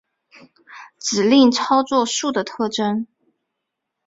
指令操作数的特征